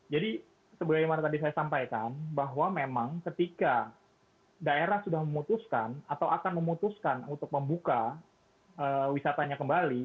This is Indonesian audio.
jadi seperti yang tadi saya sampaikan bahwa memang ketika daerah sudah memutuskan atau akan memutuskan untuk membuka wisatanya kembali